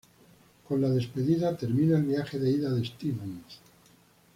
Con la despedida, termina el viaje de ida de Stevens.